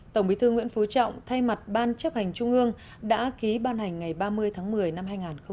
tổng bí thư nguyễn phú trọng thay mặt ban chấp hành trung ương đã ký ban hành ngày ba mươi tháng một mươi năm hai nghìn một mươi chín